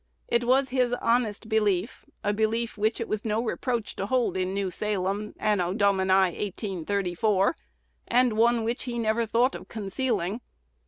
It was his honest belief, a belief which it was no reproach to hold at New Salem, Anno Domini 1834, and one which he never thought of concealing.